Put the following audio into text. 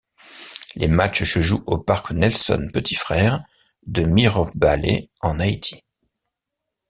Les matchs se jouent au Parc Nelson Petit-Frère de Mirebalais en Haïti.